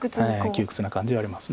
窮屈な感じはあります。